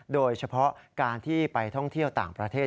โดยเฉพาะการที่ไปท่องเที่ยวต่างประเทศ